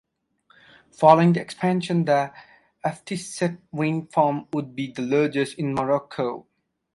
Following the expansion the Aftissat wind farm would be the largest in Morocco.